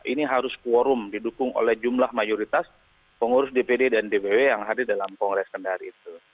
ini harus quorum didukung oleh jumlah mayoritas pengurus dpd dan dpw yang hadir dalam kongres kendari itu